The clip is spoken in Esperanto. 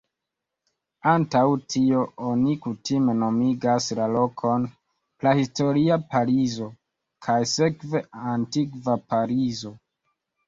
Antaŭ tio, oni kutime nomigas la lokon "Prahistoria Parizo", kaj sekve "Antikva Parizo".